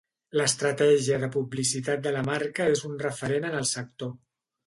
L'estratègia de publicitat de la marca és un referent en el sector.